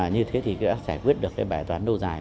như thế thì đã giải quyết được bài toán nâu dài